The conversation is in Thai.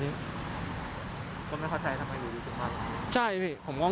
คนไม่เข้าใจทำไมอยู่ที่บ้าน